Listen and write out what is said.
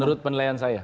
menurut penilaian saya